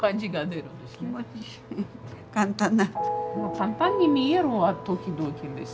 簡単に見えるは時々ですね。